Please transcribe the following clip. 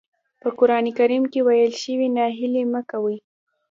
په قرآن کريم کې ويل شوي ناهيلي مه کوئ.